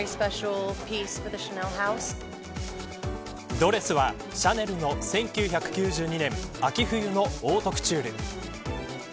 ドレスはシャネルの１９９２年秋冬のオートクチュール。